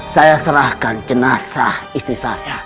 saya serahkan jenazah istri saya